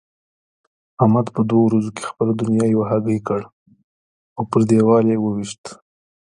احمد په دوو ورځو کې خپله دونيا یوه هګۍکړ او پر دېوال يې وويشت.